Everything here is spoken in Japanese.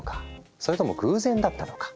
それとも偶然だったのか？